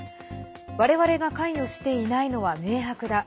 我々が関与していないのは明白だ。